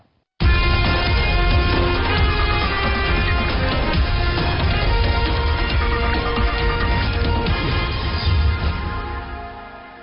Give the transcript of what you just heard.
สวัสดีครับ